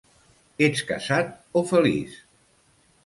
Ets casat o feliç?